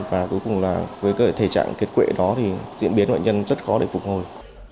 và cuối cùng là với thể trạng kết quệ đó thì diễn biến bệnh nhân rất khó để phục hồi